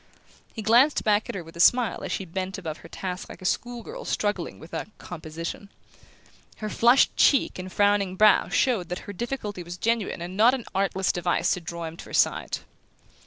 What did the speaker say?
He glanced back at her with a smile as she bent above her task like a school girl struggling with a "composition." Her flushed cheek and frowning brow showed that her difficulty was genuine and not an artless device to draw him to her side.